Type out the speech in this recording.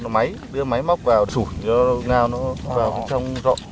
máy đưa máy móc vào sủi cho ngao nó vào trong rộng